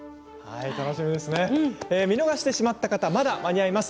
見逃してしまった方まだ間に合います。